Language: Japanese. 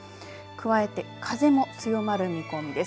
加えて風も強まる見込みです。